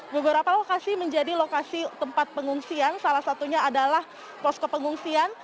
beberapa lokasi menjadi lokasi tempat pengungsian salah satunya adalah posko pengungsian